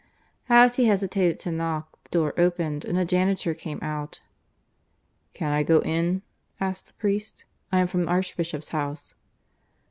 As he hesitated to knock, the door opened, and a janitor came out. "Can I go in?" asked the priest. "I am from Archbishop's House."